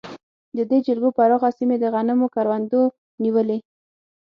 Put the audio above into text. د دې جلګو پراخه سیمې د غنمو کروندو نیولې.